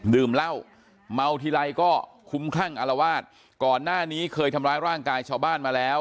ดื่มเหล้าเมาทีไรก็คุ้มคลั่งอารวาสก่อนหน้านี้เคยทำร้ายร่างกายชาวบ้านมาแล้ว